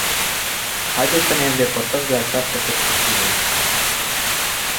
Haideți să ne îndepărtăm de această perspectivă.